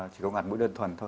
chỉ có ngạt mũi đơn thuần thôi